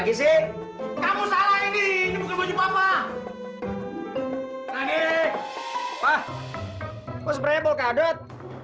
kok sebenarnya boh kadut